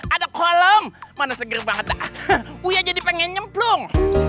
ada kolom mana seger banget udah jadi pengen nyemplung